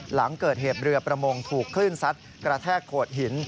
หลังเกิดเหตุเรือประมงถูกคลื่นซัดกระแทกโขดหิน